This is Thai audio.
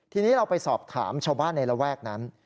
ทีนี้เราไปสอบถามชาวบ้านในระแวกนั้น